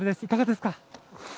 いかがですか？